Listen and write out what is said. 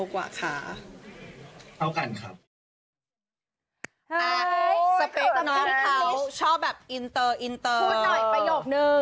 กว่าค่ะเข้ากันครับชอบแบบอินเตอร์อินเตอร์คุณหน่อยประโยคหนึ่ง